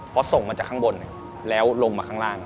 พอส่งมาจากข้างบนแล้วลงมาข้างล่าง